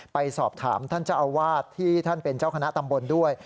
ไปสอบถามท่านเจ้าอาวาสที่ท่านเป็นเจ้าคณะตำบลด้วย